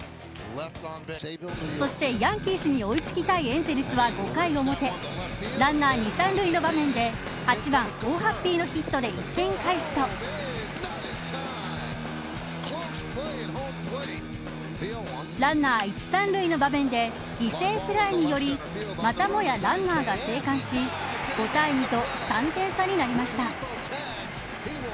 そしてヤンキースに追いつきたいエンゼルスは５回表ランナー２、３塁の場面で８番、オーハッピーのヒットで１点返すとランナー１、３塁の場面で犠牲フライによりまたもやランナーが生還し５対２と３点差になりました。